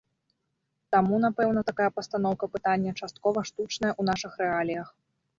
Таму, напэўна, такая пастаноўка пытання часткова штучная ў нашых рэаліях.